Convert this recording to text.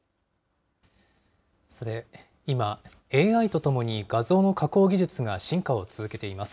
さて、今、ＡＩとともに、画像の加工技術が進化を続けています。